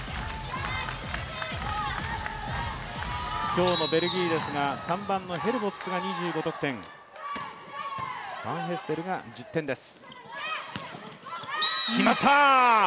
今日のベルギーですが３番のヘルボッツが２５得点、ファンヘステルが１０点です。